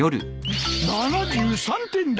７３点だと！